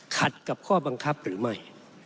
ขัดกับข้อบังคับหรือไม่